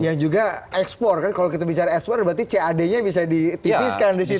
yang juga ekspor kan kalau kita bicara ekspor berarti cad nya bisa ditipiskan di situ